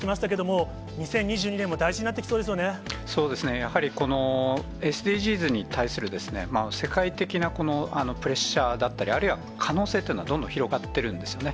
やはりこのＳＤＧｓに対する、世界的なこのプレッシャーだったり、あるいは可能性っていうのはどんどん広がってるんですよね。